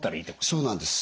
そうなんです。